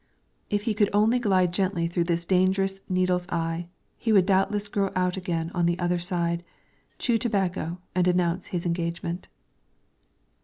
If he could only glide gently through this dangerous needle's eye, he would doubtless grow out again on the other side, chew tobacco, and announce his engagement.